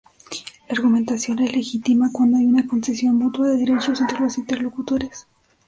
La argumentación es legítima cuando hay una concesión mutua de derechos entre los interlocutores.